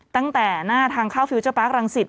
ตั้งแต่หน้าทางเข้าฟิลเจอร์ปาร์ครังสิต